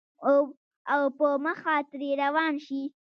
او پۀ مخه ترې روان شې